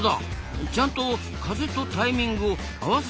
ちゃんと風とタイミングを合わせてるんですな。